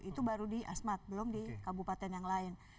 itu baru di asmat belum di kabupaten yang lain